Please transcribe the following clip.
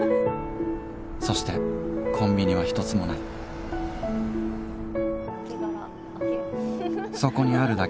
そしてコンビニはひとつもないこんにちは。